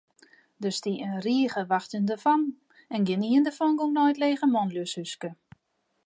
Der stie in rige wachtsjende fammen en gjinien dêrfan gong nei it lege manljushúske.